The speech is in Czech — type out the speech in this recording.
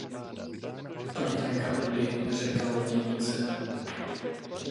Protéká tudy řeka Loděnice.